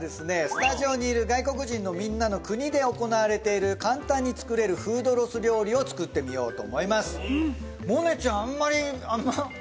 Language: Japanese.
スタジオにいる外国人のみんなの国で行われている簡単に作れるフードロス料理を作ってみようと思います